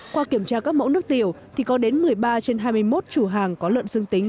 qua kiểm tra các mẫu nước tiểu thì có đến một mươi ba trên hai mươi một chủ hàng có lợn dương tính